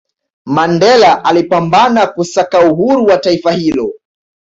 mandela alipambana kusaka uhuru wa taifa hilo